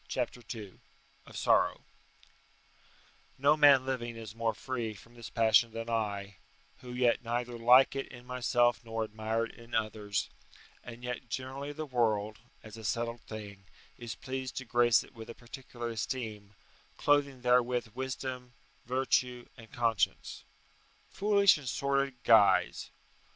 CHAPTER II OF SORROW No man living is more free from this passion than I, who yet neither like it in myself nor admire it in others, and yet generally the world, as a settled thing, is pleased to grace it with a particular esteem, clothing therewith wisdom, virtue, and conscience. Foolish and sordid guise!